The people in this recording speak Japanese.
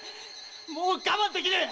〔もう我慢できねえ！